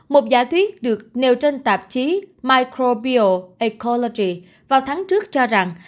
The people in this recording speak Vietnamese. một giả thuyết được nêu trên tạp chí microbiology vào tháng trước cho rằng